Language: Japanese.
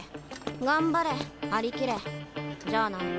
頑張れ張り切れじゃあな。